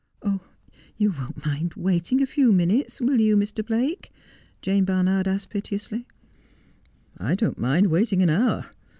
256 Just as I Am. 1 You won't mind waiting a few minutes, will you, Mr. Blake ?' Jane Barnard asked piteously. ' I don't mind waiting an hour.